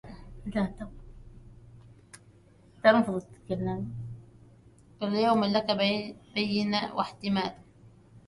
كل يوم لك بين واحتمال